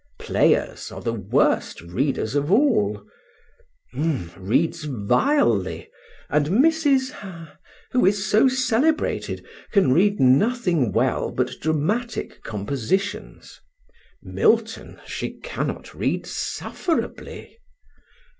Players are the worst readers of all: —— reads vilely; and Mrs. ——, who is so celebrated, can read nothing well but dramatic compositions: Milton she cannot read sufferably.